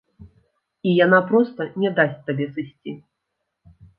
І яна проста не дасць табе сысці.